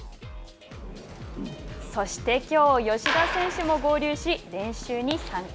そして、きょう吉田選手も合流し練習に参加。